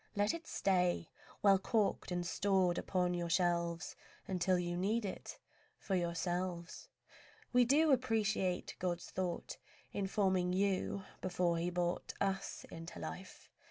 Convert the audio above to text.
Let it stay, Well corked and stored upon your shelves, Until you need it for yourselves. We do appreciate God's thought In forming you, before He brought Us into life.